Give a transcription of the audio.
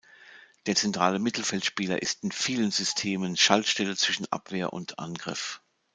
Der zentrale Mittelfeldspieler ist in vielen Systemen Schaltstelle zwischen Abwehr und Angriff.